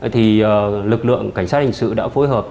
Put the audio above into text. thì lực lượng cảnh sát hình sự đã phối hợp